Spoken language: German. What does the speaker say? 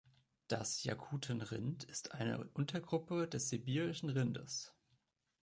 Das Jakuten-Rind ist eine Untergruppe des Sibirischen Rindes.